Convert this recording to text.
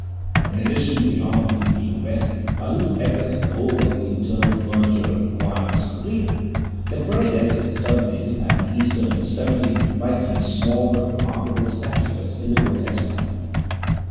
In addition to the arms of Dean West, by whose efforts the whole of the internal furniture of the choir was completed, the prayer desk is terminated at the eastern extremity by three small but remarkable statuettes in the grotesque manner.